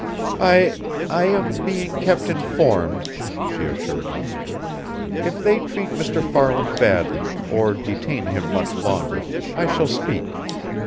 "I I am being kept informed," she assured him. "If they treat Mr. Farland badly, or detain him much longer, I shall speak.